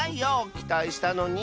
きたいしたのに。